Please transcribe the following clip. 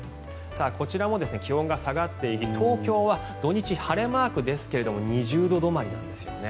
こちらも気温が下がっていて東京は土日、晴れマークですが２０度止まりなんですね。